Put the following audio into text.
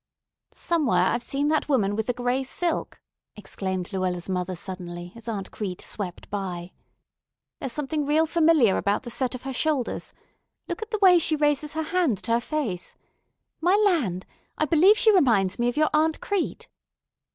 "Somewhere I've seen that woman with the gray silk!" exclaimed Luella's mother suddenly as Aunt Crete swept by. "There's something real familiar about the set of her shoulders. Look at the way she raises her hand to her face. My land! I believe she reminds me of your Aunt Crete!"